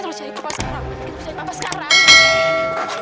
setelah itu kamu sarapan